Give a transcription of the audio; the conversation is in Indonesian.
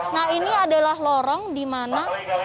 nah ini adalah lorong di mana